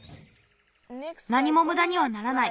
なにもむだにはならない。